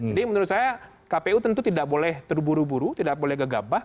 jadi menurut saya kpu tentu tidak boleh terburu buru tidak boleh gegabah